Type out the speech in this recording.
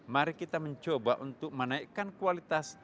mari kita mencoba untuk menaikkan kualitas